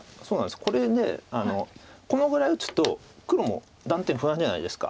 これでこのぐらい打つと黒も断点不安じゃないですか。